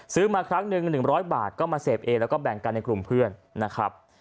มาครั้งหนึ่ง๑๐๐บาทก็มาเสพเองแล้วก็แบ่งกันในกลุ่มเพื่อนนะครับ